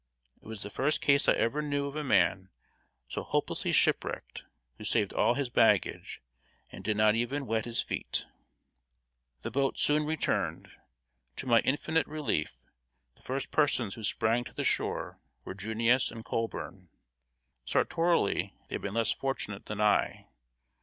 It was the first case I ever knew of a man so hopelessly shipwrecked, who saved all his baggage, and did not even wet his feet. The boat soon returned. To my infinite relief, the first persons who sprang to the shore were "Junius" and Colburn. Sartorially they had been less fortunate than I.